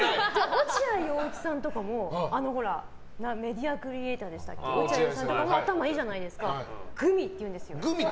落合陽一さんとかもメディアクリエーターでしたっけ頭いいじゃないですかグミっていうんです。